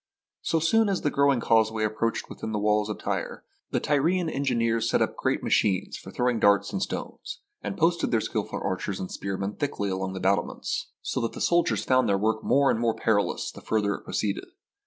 So soon as the growing causeway approached within range of the walls of Tyre, the Tyrian en gineers set up great machines for throwing darts and stones, and posted their skilful archers and spearmen thickly along the battlements, so that the THE BOOK OF FAMOUS SIEGES soldiers found their work more and more perilous the further it proceeded.